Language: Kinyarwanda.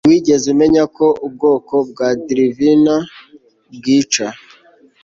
ntiwigeze umenya ko ubwoko bwa drivin bwica